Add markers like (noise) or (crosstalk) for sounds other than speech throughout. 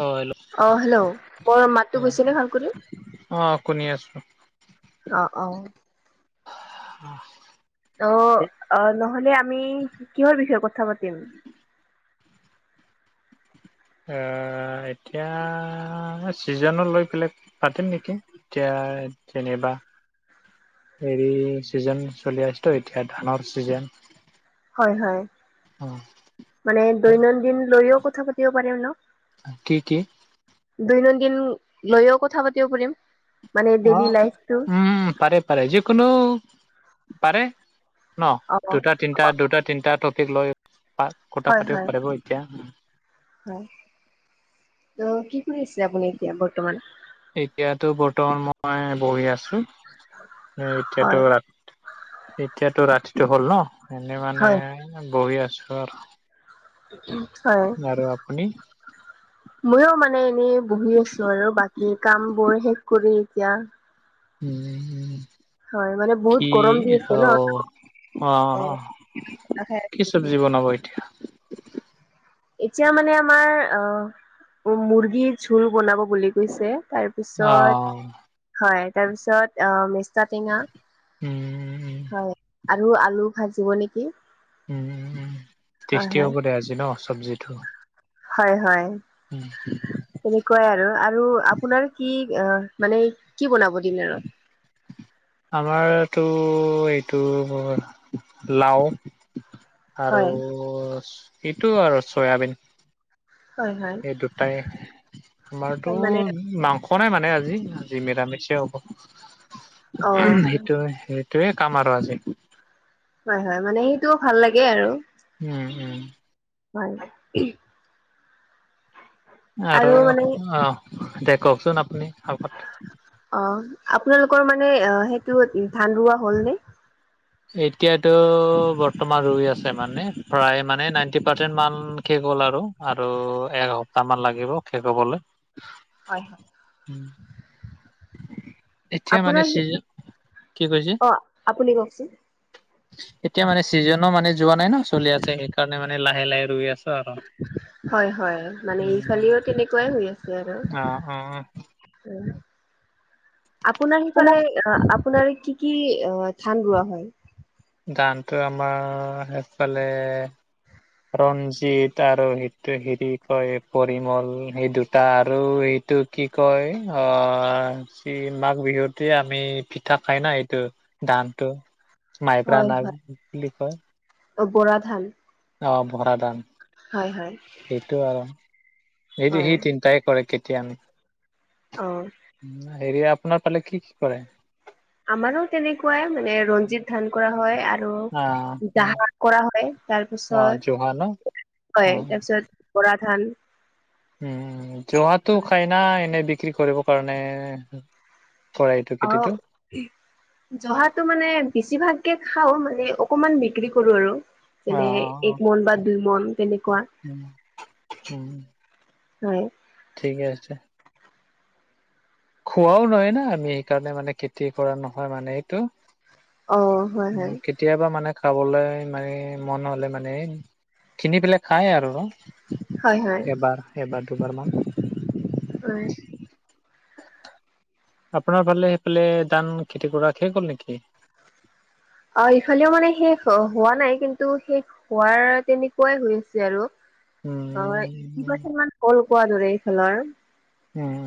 অ hello অ hello? মোৰ অ মাতো গৈছে নে ভাল কৰি? অ শুনি আছো। অ অ (unintelligible) অ অ নহলে আমি কিহৰ বিষয়ে কথা পাতিম অ এতিয়া ছিজনক লৈ পেলাই পাতিম নেকি এতিয়া যেনেবা হেৰি ছিজন চলি আছে ত এতিয়া ধানৰ ছিজন হয় হয় অ মানে দৈনন্দিন লৈও কথা পাতিব পাৰিম ন কি কি দৈনন্দিন লৈও কথা পাতিব পাৰিম মানে অ ডেইলি লাইফটো উম পাৰে পাৰে যিকোনো পাৰে ন অ অ দুটা তিনিটা দুটা তিনটা ট্ৰপিক লৈ পা কথা হয় হয় পাতিব পাৰিব এতিয়া হয় ত কি কৰি আছে আপুনি এতিয়া বৰ্তমান এতিয়াতো বৰ্তমান মই বহি আছো এ হয় এতিয়াতো ৰা এতিয়াতো ৰাতিটো হ'ল ন এনেই মানে হয় বহি আছো আৰু উম হয় আৰু আপুনি ময়ো মানে এনেই বহি আছো আৰু বাকী কামবোৰ শেষ কৰি এতিয়া উম হয় মানে বহুত কি গৰম দি আছে অ ন। অ অ কি চব্জি বনাবই এতিয়া মানে আমাৰ অ মুৰ্গীৰ ঝোল বনাব বুলি কৈছে তাৰ অ পিছত হয় তাৰপিছত আ মেচটা টেঙা উম হয় আৰু আলু ভাজিব নেকি উম হয় টেষ্টি হয় হ'ব দে আজি ন চব্জিটো হয় হয় উম তেনেকোৱাই আৰু আৰু আপোনাৰ কি অ মানে কি বনাব দিনাৰত (inaudible) আমাৰতো এইটো লাও আৰু হয় এইটো আৰু চয়াবিন হয় হয় এই দুটাই আমাৰতো মানে মাংস নাই মানে আজি আজি নিৰামিষে হ'ব অ উম সেইটো সেই টোৱে কাম আৰু আজি, হয় হয় মানে সেইটোও ভাল লাগে আৰু উম উম ভাল উম আৰু অ দে কওকচোন আপুনি আগত অ আপোনালোকৰ মানে অ সেইটো ধান ৰোৱা হল নে এতিয়াতো বৰ্তমান ৰুই আছে মানে প্ৰায় মানে নাইনটি পাৰ্চেন্ট মাল শেষ হ'ল আৰু আৰু এসপ্তাহ মান লাগিব শেষ হবলে হয় উম আপোনাৰ সেই কৈছে অ আপুনি কওকচোন এতিয়া মানে ছিজনো মানে যোৱা নাই ন চলি আছে সেইকাৰণে মানে লাহে লাহে ৰুই আছে হয় হয় মানে এইফালেও উম তেনেকোৱাই হৈ আছে আৰু অ অ উম আপোনাৰ সিফালে অ আপোনাৰ কি কি অ ধান ৰোৱা হয় জানটো আমাৰ সেইফালে, ৰঞ্জিত আৰু সেইটো হেৰি কয় পৰিমল সেই দুটা আৰু সেইটোত কি কয় অ সি মাঘ বিহুতে আমি পিঠা খাই না এইটো দানটো মাইব্ৰা হয় নাম হয়। বুলি কয় অ বৰা ধান। অ বৰা ধান, হয় হয়। সেইটো আৰু হয় সে-সেই তিনটাই কৰে কেতিয়া আমি অ। উ হেৰি আপোনাৰ পালে কি কি কৰে? আমাৰো তেনেকুৱা মানে ৰঞ্জিত ধান কৰা হয়, আ আহ আৰু দাহ কৰা হয়। অ জহা ন তাৰপিছত, অ হয় তাৰপিছত বৰা ধান উম, জহাটো হয়। খায় না এনেই বিক্ৰী কৰিবৰ কাৰণে। কৰে এইটো আও। খেতিটো জহাটো মানে বেছিভাগকে খাও মানে অকমান বিক্ৰী কৰো আৰু। অ যেনে অ এক মন বা দুই মন তেনেকুৱা। উম উম হয়। ঠিকে আছে। খোৱাও নহয় না আমি সেইকাৰণে মানে খেতি কৰা নহয় মানে এইটো। অ হয়, উম হয় কেতিয়াবা মানে খাবলে মানে মন হ'লে মানে কিনি পেলাই খায় আৰু। হয় হয় এবাৰ এবাৰ দুবাৰ মান। হয়। আপোনাৰ ফালে সেইফালে ধান খেতি কৰা শেষ হ'ল নেকি? অ ইফালেও মানে শেষ হোৱা নাই, কিন্তু শেষ হোৱাৰ তেনেকুৱাই হৈ আছে আৰু। অ এইটটি উম, পাৰ্চেন্ট মান হ'ল কোৱা দৰে এইফালৰ। উম।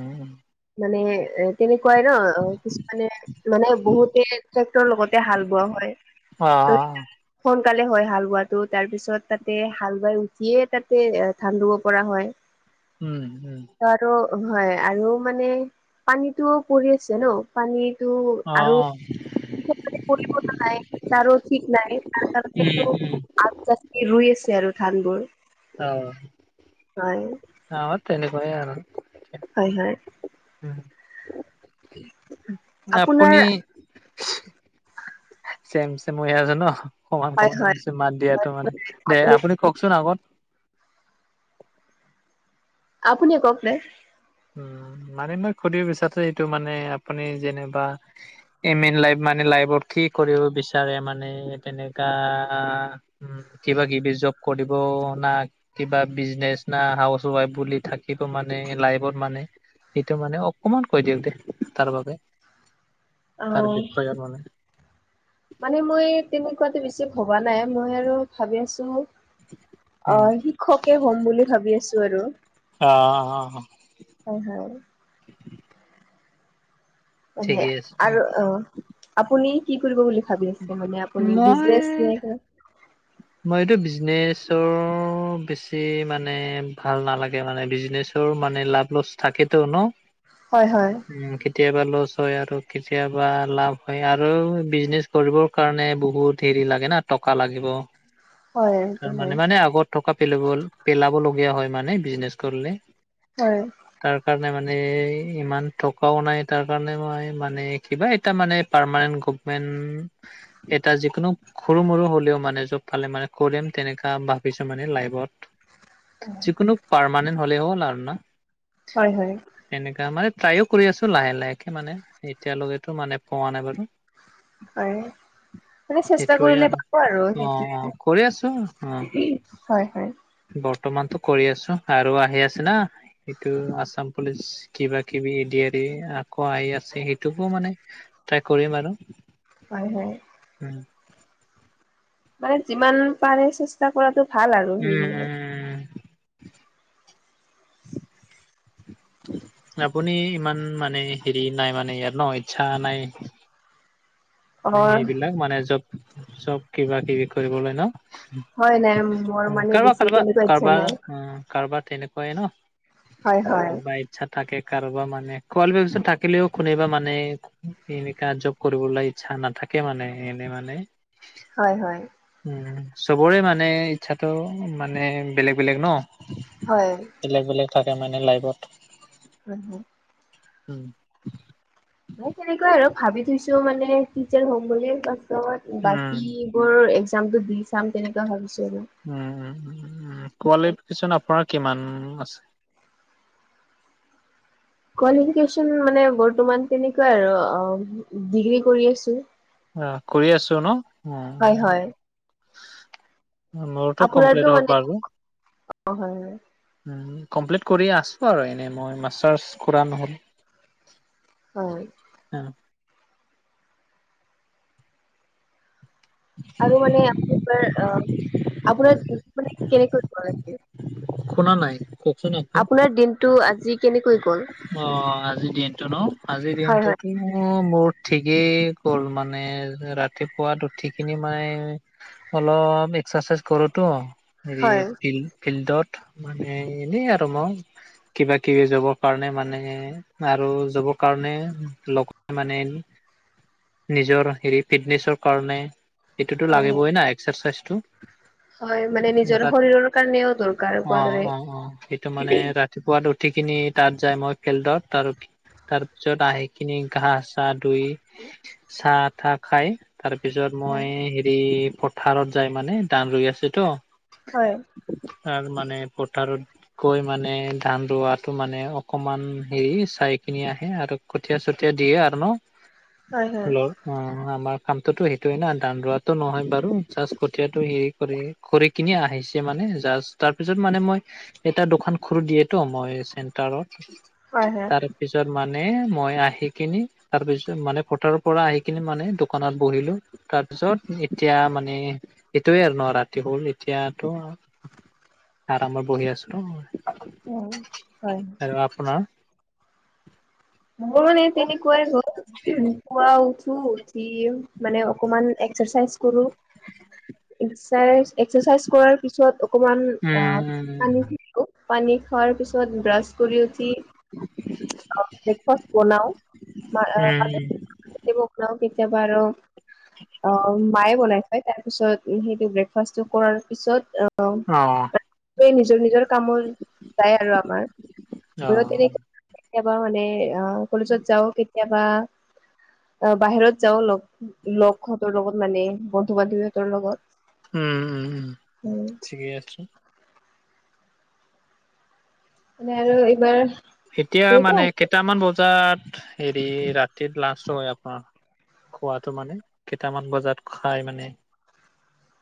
মানে এ তেনেকুৱাই ন কিছুমানে মানে বহুতে ট্ৰেক্টৰৰ লগতে হাল বোৱা হয়। অ, অ। ত সোনকালে হয় হাল বোৱাটো, তাৰ পিছত তাতে হাল বাই উঠিয়ে তাতে ধান ৰুব পৰা হয়। (inaudible) উম, উম। ত আৰু হয় আৰু মানে পানীটোও পৰি আছে ন। পানীটো অ', আৰু অ', (unintelligible) নাই তাৰো ঠিক নাই। তাৰ কাৰণে উম, আৰু উম, (unintelligible) ৰুই আছে আৰু ধানবোৰ। অ, হয়, অ তেনেকুৱাই আৰু। হয়, হয়। উম, আপোনাৰ আপুনি চেম চেম হৈ আছো ন, সমান হয়, সমান হৈ হয়, আছে মাত দিয়াটো হয়, মানে। দে আপুনি কওকচোন আগত। আপুনিয়ে কওক না। উম মানে মই সুধি বিচাৰু এইটো মানে আপুনি যেনিবা এম ইন লাইফ মানে লাইফত কি কৰিব বিচাৰে মানে তেনেকা উম কিবা কিবি জব কৰিবও না কিবা বিজনেচ না হাউচ ৱাইফ বুলি থাকিব মানে লাইফত? মানে সেইটো মানে অকমান কৈ দিয়ক দে তাৰ বাবে। তাৰ অ', বিষয় মানে। মানে মই তেনেকুৱাতো বেছি ভবা নাই। মই আৰু ভাবি আছো অ উম শিক্ষকে হম বুলি ভাবি আছো আৰু। অ অ হয়, হয়। মানে ঠিকেই আছে দিয়া আৰু অ আপুনি কি কৰিব বুলি ভাবি আছে মানে আপুনি বিজনেছ নে মই এইটো বিজনেছৰ বেছি মানে ভাল নালাগে, মানে বিজনেছ টোৰ মানে লাভ লছ থাকেটো ন? হয়, হয়, উ কে কেতিয়াবা লছ হয় আৰু কেতিয়াবা লাভ হয় আৰু বিজনেছ কৰিবৰ কাৰণে বহুত দেৰি লাগে না টকা লাগিব। হয়, এইটো তাৰ হয়, মানে মানে আগত থকা পেল পেলাব লগীয়া হয় মানে বিজনেছ কৰিলে। হয়। তাৰ কাৰণে মানে ইমান টকাও নাই। তাৰ কাৰণে মই মানে কিবা এটা মানে পাৰমানেন্ট গভমেন এটা যিকোনো সৰু মৰু হ'লেও মানে জ পালে মানে কৰিম তেনেকা ভাবিছো মানে লাইবত। যিকোনো পাৰমানেণ্ট হ'লেও (unintelligible) হয়, হয়। তেনেকা মানে ট্ৰাইও কৰি আছো লাহে লাহেকে মানে এতিয়ালৈকেতো মানে পোৱা নাই বাৰু। হয়, মানে চেষ্টা কৰিলে পাব আৰু অ সেইটোৱে। অ, কৰি আছো অ। হয়, হয়, বৰ্তমানতো কৰি আছো আৰু আহি আছে না। সেইটো আছাম পুলিচ কিবা কিবি এ ডি আৰি আকৌ আহি আছে সেইটোকো মানে ট্ৰাই কৰিম আৰু। হয়, হয়। উম। মানে যিমান পাৰে চেষ্টা কৰাটো ভাল আৰু (unintelligible) উম আপুনি ইমান মানে হেৰি নাই মানে ইয়াত ন ইচ্ছা নাই। মানে অ', সেইবিলাক মানে জব-চব কিবা-কিবি কৰিবলৈ ন? হয় নাই মোৰ মানে কাৰবাৰ বেছি কাৰবাৰ তেনেকুৱা ইচ্ছা কাৰবাৰ নাই অ কাৰবাৰ তেনেকুৱাই ন হয় হয় কোনবাই ইচ্ছা থাকে কাৰোবা মানে কোৱালিফিকেচন থাকিলেও কোনেবা মানে এনেকা জব কৰিবলৈ ইচ্ছা নাথাকে মানে এনে মানে হয়, হয়। উ চবৰে মানে ইচ্ছাটো মানে বেলেগ বেলেগ ন। হয়। বেলেগ বেলেগ থাকে মানে লাইফত। হয়, হয়। উম। মই তেনেকুৱাই আৰু ভাবি থৈছো মানে টিচাৰ হ'ম বুলি। পাছত উম, বাকী বোৰ এক্সজামটো দি চাম তেনেকুৱা ভাবিছো আৰু। উম, উম, উম। কোৱালিফিকেচন আপোনাৰ কিমান আছে? কোৱালিফিকেচন মানে বৰ্তমান তেনেকুৱাই আৰু ডিগ্ৰী কৰি আছো। অ কৰি আছো ন অ হয়, হয়। মোৰটো আপোনাৰতো কমপ্লিট হ'ল মানে বাৰু। অ হয় হয় কমপ্লিট কৰি আছো আৰু এনেই মই মাষ্টাৰছ কৰা নহ'ল। হয়। অ। আৰু মানে আপোনাৰ অ আপোনাৰ (unintelligible) মানে কেনেকৈ কৰে (unintelligible) শুনা নাই। কওকচোন আকৌ। আপোনাৰ দিনটো আজি কেনেকৈ গ'ল? অ আজিৰ দিনটো ন? আজিৰ হয় হয় দিনটোত (unintelligible) মোৰ ঠিকেই গ'ল মানে ৰাতিপুৱা উঠি খিনি মায়ে অলপ এক্সৰচাইজ কৰোতো। হেৰি হয় ফিল ফিল্ডত মানে এনেই আৰু মই কিবা কিবি জবৰ কাৰণে মানে আৰু জবৰ কাৰণে লগ মানে নিজৰ হেৰি ফিটনেচৰ কাৰণে এইটোতো হয় হয় লাগিবই না এক্সাৰচাইজটো। হয় মানে নিজৰ তাত শৰীৰৰ কাৰণেও দৰকাৰ অ কোৱা দৰে। অ অ সেইটো মানে ৰা তিপুৱাত উঠি কিনি তাত যাই মই ফিল্ডত তাৰো তাৰ পিছত আহি কিনি ঘা চা ধুই চাহ তাহ খাই তাৰপিছত হয়। মই হেৰি পথাৰত যাই মানে ধান ৰুই আছো তো? হয়। তাৰ মানে পথাৰত গৈ মানে ধান ৰোৱাটো মানে অকমান হেৰি চাইখিনি আহে আৰু কঠীয়া - চঠীয়া দিয়ে আৰু ন। হয় হয় হেল্ল'? অ আমাৰ কামটোতো সেইটোয়ে না, ধান ৰোৱাটো নহয় বাৰু জাছ কঠিয়াটো হেৰি কৰে। কৰি কিনি আহিছে মানে জাছ তাৰ পিছত মানে মই এটা দোকান খুুড়ী দিয়েতো মই চেণ্টাৰত হয় হয় তাৰ পিছত মানে মই আহি কিনি তাৰ পিছত মানে পথাৰৰ পৰা আহি কিনে মানে দোকানত বহিলো। তাৰপিছত এতিয়া মানে এইটোয়ে আৰু ন ৰাতি হল এতিয়াতো। আৰামত বহি আছো। উ হয়। আৰু আপোনাৰ? মোৰ মানে তেনেকুৱাই হ'ল, উহু পুৱা উঠো দি মানে অকণমান এক্সাৰচাইজ কৰোঁ। এক্সাইজ এক্সাৰচাইজ কৰাৰ পিছত অকমান উম, আ উম, পানী দি ৰো, পানী খোৱাৰ পিছত ব্ৰাছ কৰি উঠি অ ব্ৰেকফাষ্ট বনাও, মা আ উম, মাজত তে মোক লও কেতিয়াবা আৰু অ মায়ে বনাই খাই তাৰ। পিছত সেইটো ব্ৰেকফাষ্টটো কৰাৰ পিছত আ অ', আৰু নিজৰ -নিজৰ কামোৰ যায় আৰু আমাৰ, অ', মোৰ উম, তেনে কেতিয়াবা মানে অ কলেজত যাও কেতিয়াবা। অ বাহিৰত যাওঁ লগ লগহঁতৰ লগত মানে বন্ধু - বান্ধৱীহঁতৰ লগত। উম উম উম উম, ঠিকেই আছো। মানে আৰু এইবাৰ এতিয়া তেনেকুৱা মানে কেইটামান বজাত হেৰি ৰাতিত লাষ্ট হয় আমাৰ। খোৱাটো মানে কেইটামান বজাত খাই মানে,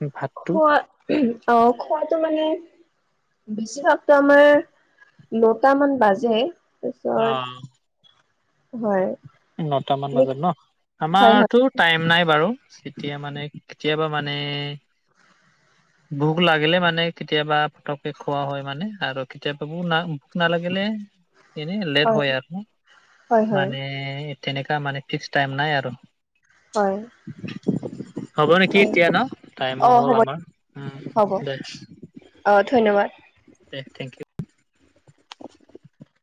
উম ভাত খোৱা উহো অ' খোৱাটো মানে বেছিভাগতো আমাৰ নটামান বাজে। তাৰ অ', পিছত হয়। নটামান বাজে ন, হয় হয় আমাৰতো টাইম নাই বাৰু তেতিয়া মানে কেতিয়াবা মানে (inaudible) ভোক লাগিলে মানে কেতিয়াবা পতককে খোৱা হয় মানে আৰু কেতিয়াবা ভোক না নালাগিলে এনেই লেট হয় আৰু হয় হয় মানে তেনেকুৱা মানে ফিক্স টাইম নাই আৰু। হয়। হ'ব নেকি এতিয়া ন টাইমো অ অ হ'ল হ'ব আমাৰ উম হ'ব দে। অ' ধন্যবাদ। দে থেংক ইউ। (inaudible)